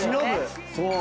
そう。